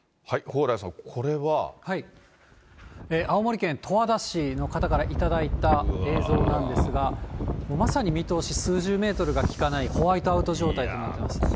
青森県十和田市の方から頂いた映像なんですが、まさに見通し、数十メートルが利かないホワイトアウト状態となっています。